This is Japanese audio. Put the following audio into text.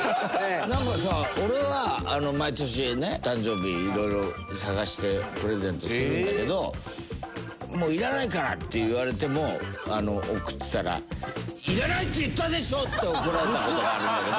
なんかさ俺は毎年ね誕生日色々探してプレゼントするんだけど「もういらないから」って言われても贈ってたら「いらないって言ったでしょ」って怒られた事があるんだけど。